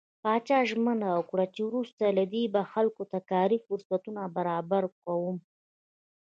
پاچا ژمنه وکړه چې وروسته له دې به خلکو ته کاري فرصتونه برابر کوم .